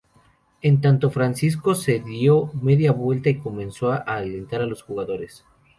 En tanto, Francisco se dio media vuelta y comenzó a alentar a los jugadores.